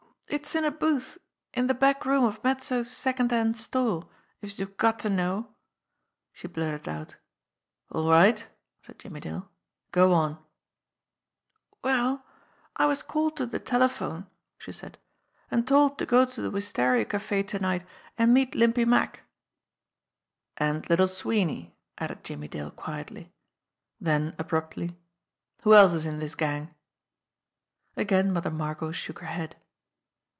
"Aw, it's in a booth in de back room of Mezzo's second* hand store, if youse' ve got to know," she blurted out. "All right," said Jimmie Dale. "Go on !" "Well, I was called to de telephone," she said, "an' told to go to de Wistaria Cafe to night an' meet Limpy Mack." "And Little Sweeney," added Jimmie Dale quietly; then abruptly: "Who else is in this gang?" Again Mother Margot shook her head.